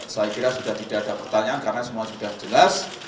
saya kira sudah tidak ada pertanyaan karena semua sudah jelas